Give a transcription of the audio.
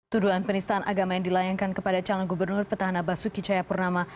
tuduhan penistaan agama yang dilayangkan kepada calon gubernur petahana basuki cahayapurnama